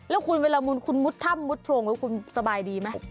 แล้วคุณเวลามุนคุณมุดถ้ำมุดโพรงแล้วคุณสบายดีไหม